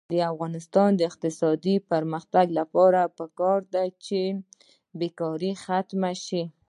د افغانستان د اقتصادي پرمختګ لپاره پکار ده چې بېکاري ختمه شي.